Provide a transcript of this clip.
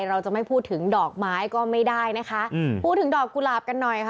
เราจะไม่พูดถึงดอกไม้ก็ไม่ได้นะคะอืมพูดถึงดอกกุหลาบกันหน่อยค่ะ